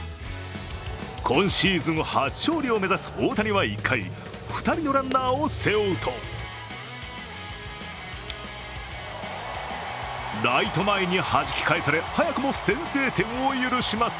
今シーズン初勝利を目指す大谷は１回２人のランナーを背負うとライト前にはじき返され早くも先制点を許します。